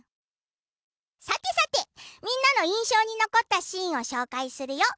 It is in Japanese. さてさて、みんなの印象に残ったシーンを紹介するよ！